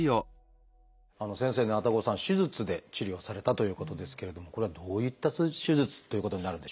先生ね愛宕さん手術で治療されたということですけれどもこれはどういった手術っていうことになるんでしょうか？